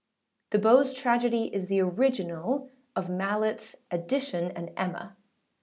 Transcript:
[The Bowes Tragedy is the original of Malletâs Edition and Emma.